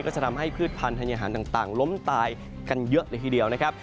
จะทำให้พืชพันธัญหารต่างล้มตายกันเยอะเลยทีเดียวนะครับ